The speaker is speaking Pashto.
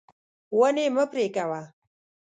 ونې مه پرې کوه.